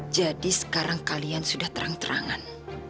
jadi sekarang kalian sudah terang terangan